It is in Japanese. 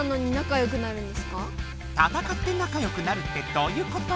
戦って仲よくなるってどういうこと？